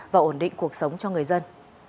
và ổn định cuộc sống cho người dân